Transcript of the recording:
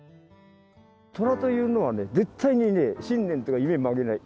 トラというのはね絶対に信念とか夢曲げない。